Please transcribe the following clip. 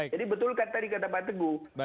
jadi betul tadi kata pak teguh